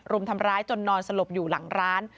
รุมทำร้ายจนนอนสลบอยู่หลังร้าน